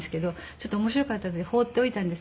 ちょっと面白かったので放っておいたんですね。